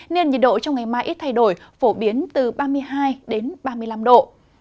nên nhiệt độ trong ngày mai ít thay đổi phổ biến từ ba mươi hai ba mươi năm độ